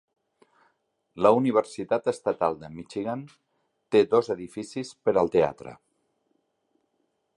La Universitat Estatal de Michigan té dos edificis per al teatre.